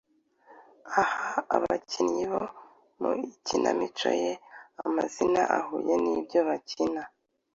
aha abakinnyi bo mu ikinamico ye amazina ahuye n’ibyo bakina.